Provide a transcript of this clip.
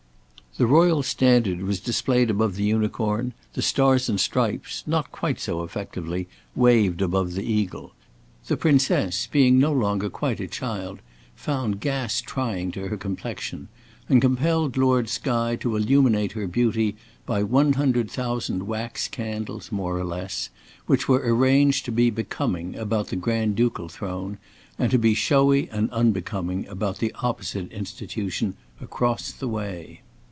The Royal Standard was displayed above the Unicorn; the Stars and Stripes, not quite so effectively, waved above the Eagle. The Princess, being no longer quite a child, found gas trying to her complexion, and compelled Lord Skye to illuminate her beauty by one hundred thousand wax candies, more or less, which were arranged to be becoming about the Grand ducal throne, and to be showy and unbecoming about the opposite institution across the way.